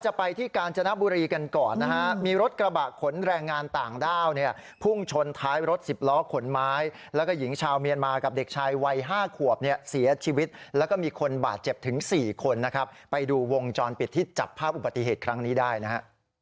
จะไปที่กาญจนบุรีกันก่อนนะฮะมีรถกระบะขนแรงงานต่างด้าวเนี่ยพุ่งชนท้ายรถสิบล้อขนไม้แล้วก็หญิงชาวเมียนมากับเด็กชายวัย๕ขวบเนี่ยเสียชีวิตแล้วก็มีคนบาดเจ็บถึงสี่คนนะครับไปดูวงจรปิดที่จับภาพอุบัติเหตุครั้งนี้ได้นะฮะ